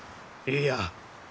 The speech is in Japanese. いいや。